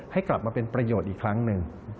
ให้กลับมาเป็นประโยชน์อีกครั้งหนึ่ง